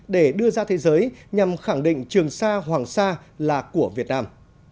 để đưa ra thế giới nhằm khẳng định trường sa hoàng sa là của việt nam